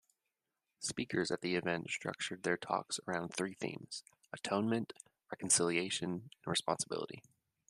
Speakers at the event structured their talks around three themes: atonement, reconciliation, and responsibility.